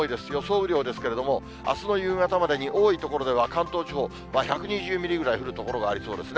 雨量ですけれども、あすの夕方までに多い所では関東地方、１２０ミリぐらい降る所がありそうですね。